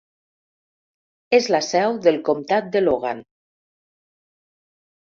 És la seu del comtat de Logan.